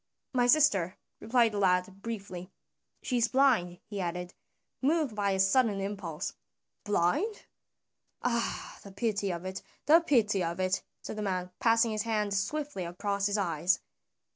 "My sister," replied the lad briefly. "She is blind," he added, moved by a sudden impulse. "Blind? Ah, the pity of it, the pity of it!" said the man, passing his hand swiftly across his eyes.